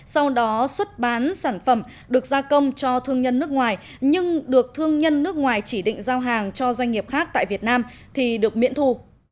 sau đó xuất bán sản phẩm được gia công cho thương nhân nước ngoài nhưng được thương nhân nước ngoài chỉ định giao hàng cho doanh nghiệp khác tại việt nam thì được miễn thu